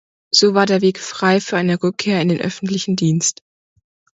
So war der Weg frei für eine Rückkehr in den öffentlichen Dienst.